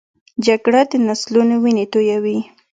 جګړه د نسلونو وینې تویوي